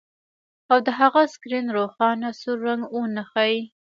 او د هغه سکرین روښانه سور رنګ ونه ښيي